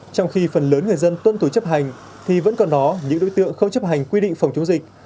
trong khi phần lớn người dân tuân thủ chấp hành thì vẫn còn đó những đối tượng không chấp hành quy định phòng chống dịch